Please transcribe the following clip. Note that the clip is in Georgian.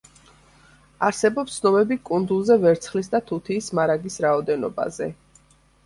არსებობს ცნობები კუნძულზე ვერცხლის და თუთიის მარაგის რაოდენობაზე.